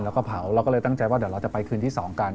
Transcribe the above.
แล้วก็เผาเราก็เลยตั้งใจว่าเดี๋ยวเราจะไปคืนที่๒กัน